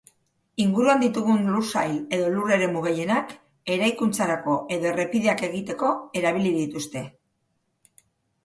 Inguruan ditugun lur-sail edo lur-eremu gehienak eraikuntzarako edo errepideak egiteko erabili dituzte.